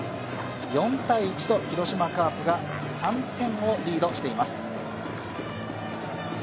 ４−１と広島カープが３点をリードしています。